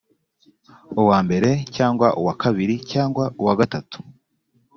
uwa mbere cyangwa uwa kabiri cyangwa uwa gatatu